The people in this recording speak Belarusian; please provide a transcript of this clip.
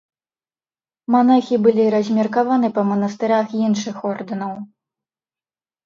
Манахі былі размеркаваны па манастырах іншых ордэнаў.